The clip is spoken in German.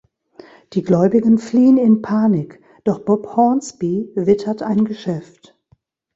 Die Gläubigen fliehen in Panik, doch Bob Hornsby wittert ein Geschäft.